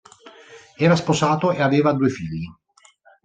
Era sposato e aveva due figli.